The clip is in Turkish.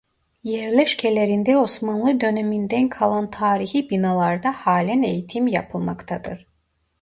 Yerleşkelerinde Osmanlı döneminden kalan tarihi binalarda halen eğitim yapılmaktadır.